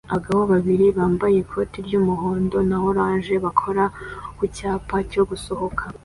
Abagabo babiri bambaye ikoti ry'umuhondo na orange bakora ku cyapa cyo gusohoka